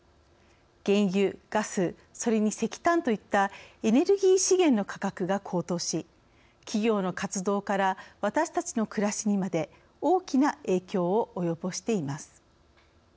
原油、ガス、それに石炭といったエネルギー資源の価格が高騰し企業の活動から私たちの暮らしにまで大きな影響を及ぼしています。